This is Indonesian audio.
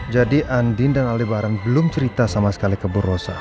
jadi andin dan ali baran belum cerita sama sekali kebur rosa